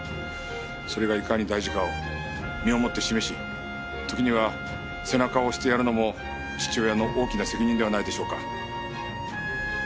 それがいかに大事かを身をもって示し時には背中を押してやるのも父親の大きな責任ではないでしょうか。